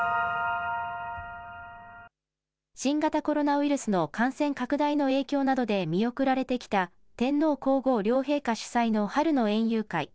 新型コロナウイルスの感染拡大の影響などで見送られてきた、天皇皇后両陛下主催の春の園遊会。